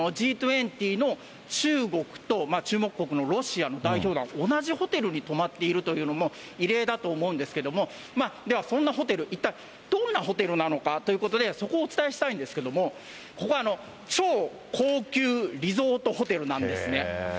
Ｇ２０の中国と、注目国のロシアの代表団、同じホテルに泊まっているというのも異例だと思うんですけど、ではそんなホテル、一体どんなホテルなのかということで、そこをお伝えしたいんですけれども、ここ、超高級リゾートホテルなんですね。